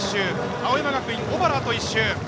青山学院、小原、あと１周。